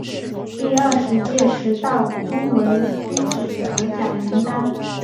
第二十届十大中文金曲得奖名单